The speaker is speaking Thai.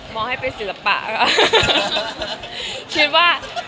มองให้เป็นศาสตร์ภาค